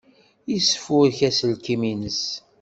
Yesfurek aselkim-nnes.